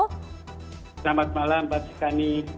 selamat malam pak skani